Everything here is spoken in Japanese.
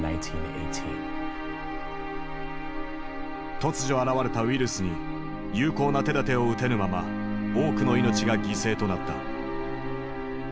突如現れたウイルスに有効な手だてを打てぬまま多くの命が犠牲となった。